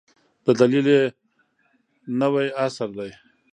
د دلیل یې نوی عصر دی.